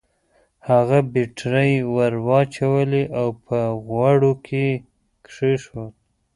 هغه بېټرۍ ور واچولې او په غوږو کې يې کېښوده.